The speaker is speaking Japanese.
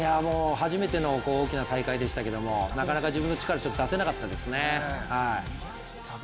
初めての大きな大会でしたけどもなかなか自分の力を出せなかったですね。